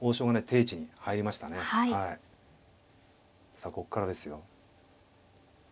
さあこっからですよ。